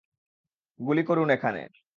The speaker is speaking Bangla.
গুলি করুন এখানে!